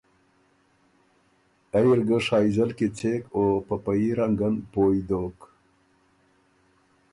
ائ اِر ګه شائزل کیڅېک او په په يي رنګن پویٛ دوک